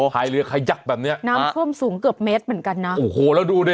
หายเรือขยักแบบเนี้ยน้ำท่วมสูงเกือบเมตรเหมือนกันนะโอ้โหแล้วดูดิ